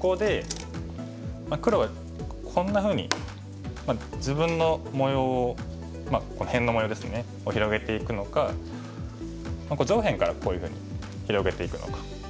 ここで黒はこんなふうに自分の模様をまあ辺の模様ですねを広げていくのか上辺からこういうふうに広げていくのか。